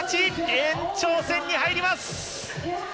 延長戦に入ります。